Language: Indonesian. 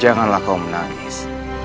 janganlah kau menangis